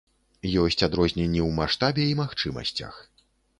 Ёсць адрозненні ў маштабе і магчымасцях.